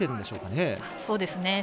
そうですね。